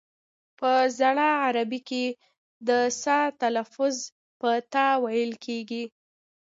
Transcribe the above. په زړه عربي ژبه کې د ث لفظ په ت ویل کیږي